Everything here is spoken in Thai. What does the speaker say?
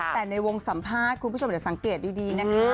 แต่ในวงสัมภาษณ์คุณผู้ชมเดี๋ยวสังเกตดีนะคะ